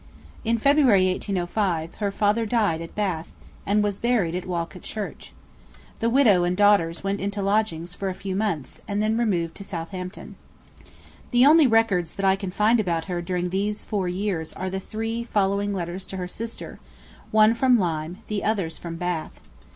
In February 1805, her father died at Bath, and was buried at Walcot Church. The widow and daughters went into lodgings for a few months, and then removed to Southampton. The only records that I can find about her during those four years are the three following letters to her sister; one from Lyme, the others from Bath.